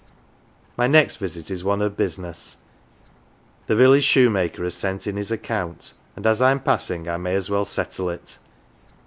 My next visit is one of business : the village shoe maker has sent in his account, and as I am passing I may as well " settle " it.